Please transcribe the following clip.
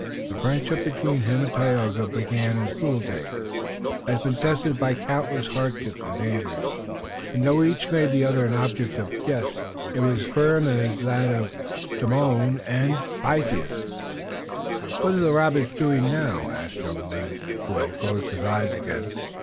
The friendship between him and Tayoga, begun in school days, had been tested by countless hardships and dangers, and though each made the other an object of jest, it was as firm as that of Orestes and Pylades or that of Damon and Pythias. "What are the rabbits doing now?" asked young Lennox, who had closed his eyes again.